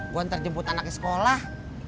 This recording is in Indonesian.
gue ntar jemput anak ke sekolah